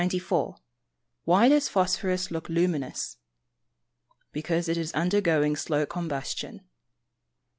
94. Why does phosphorous look luminous? Because it is undergoing slow combustion.